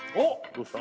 どうした？